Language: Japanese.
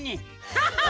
ハハハ！